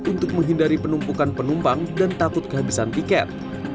untuk menghindari penumpukan penumpang dan takut kehabisan tiket